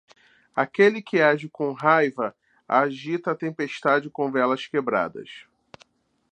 Aquele que age com raiva agita a tempestade com velas quebradas.